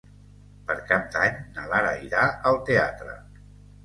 Per Cap d'Any na Lara irà al teatre.